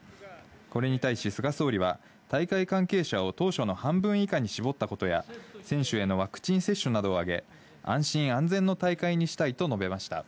これに対し菅総理は、大会関係者を当初の半分以下に絞ったことや、選手へのワクチン接種などを挙げ、安心安全の大会にしたいと述べました。